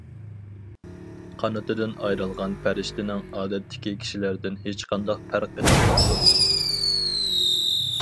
قانىتىدىن ئايرىلغان پەرىشتىنىڭ ئادەتتىكى كىشىلەردىن ھېچقانداق پەرقى قالماپتۇ.